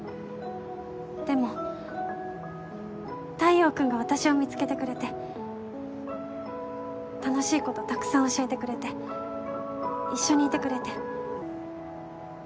でも太陽君が私を見つけてくれて楽しいことたくさん教えてくれて一緒にいてくれて。